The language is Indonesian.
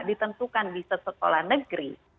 ditentukan di set sekolah negeri